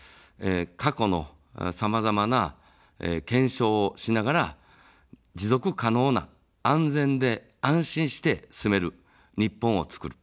過去のさまざまな検証をしながら持続可能な安全で安心して住める日本をつくる。